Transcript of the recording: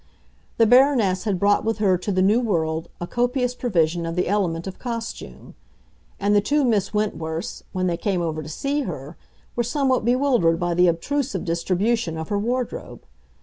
The Baroness had brought with her to the New World a copious provision of the element of costume; and the two Miss Wentworths, when they came over to see her, were somewhat bewildered by the obtrusive distribution of her wardrobe.